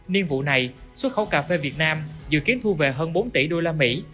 niên vụ này xuất khẩu cà phê việt nam dự kiến thu về hơn bốn tỷ usd